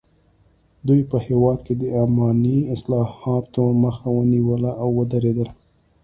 دوی په هېواد کې د اماني اصلاحاتو مخه ونیوله او ودریدل.